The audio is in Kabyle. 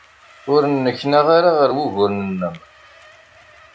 Ur nneknaɣ ara ɣer wuguren-nnem.